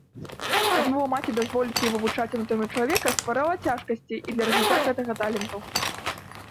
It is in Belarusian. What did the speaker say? Адмова маці дазволіць ёй вывучаць анатомію чалавека стварала цяжкасці і для развіцця гэтага таленту.